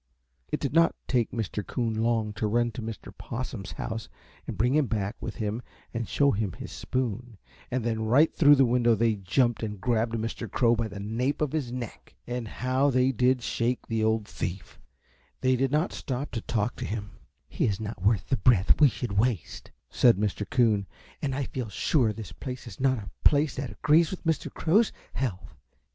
It did not take Mr. Coon long to run to Mr. Possum's house and bring him back with him and show him his spoon, and then right through the window they jumped and grabbed Mr. Crow by the nape of his neck. And how they did shake the old thief! They did not stop to talk to him. "He is not worth the breath we should waste," said Mr. Coon, "and I feel sure this place is not a place that agrees with Mr. Crow's health.